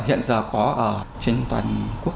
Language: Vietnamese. hiện giờ có trên toàn quốc